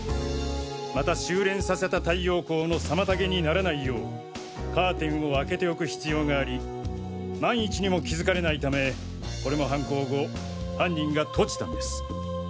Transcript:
また収れんさせた太陽光の妨げにならないようカーテンを開けておく必要があり万一にも気づかれないためこれも犯行後犯人が閉じたんです。